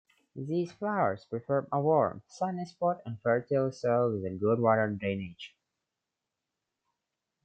These flowers prefer a warm, sunny spot and fertile soil with good water drainage.